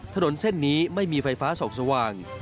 ถนนเส้นนี้ไม่มีไฟฟ้าส่องสว่าง